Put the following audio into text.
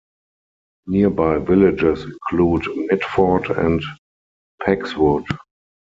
Nearby villages include Mitford and Pegswood.